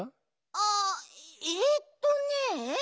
あえっとね。